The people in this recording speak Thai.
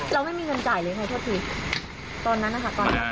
เราไม่มีเงินจ่ายเลยไหมเท่าที่ตอนนั้นนะคะ